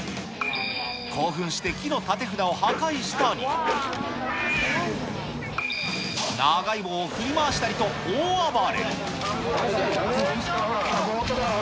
興奮して木の立て札を破壊したり、長い棒を振り回したりと、大暴れ。